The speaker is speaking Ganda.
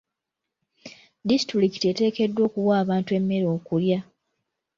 Disitulikiti eteekeddwa okuwa abantu emmere okulya.